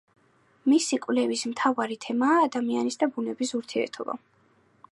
მისი კვლევის მთავარი თემაა ადამიანის და ბუნების ურთიერთობა.